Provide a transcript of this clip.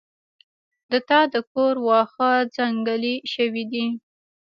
د تا د کور واښه ځنګلي شوي دي